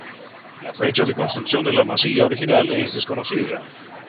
La fecha de construcción de la masía original es desconocida.